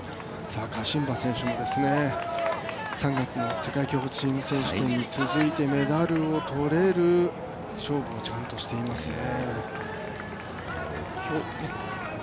ガシンバ選手も３月の世界競歩チーム選手権に続いてメダルを取れる勝負をちゃんとしていますね。